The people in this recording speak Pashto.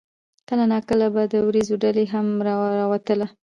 کله نا کله به د وريځو ډولۍ هم راوتله